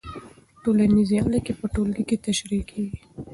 ټولنیزې اړیکې په ټولګي کې تشریح کېږي.